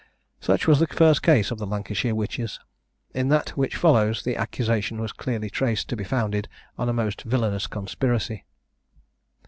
Such was the first case of the Lancashire Witches. In that which follows, the accusation was clearly traced to be founded on a most villanous conspiracy.